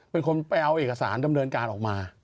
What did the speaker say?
เป็นคนไปเอาเอกสารดำเนินการออกมา